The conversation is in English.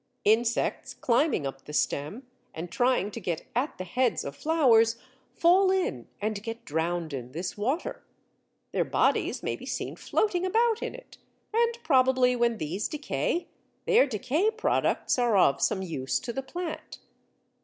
Insects climbing up the stem and trying to get at the heads of flowers fall in and get drowned in this water; their bodies may be seen floating about in it, and probably when these decay, their decay products are of some use to the plant.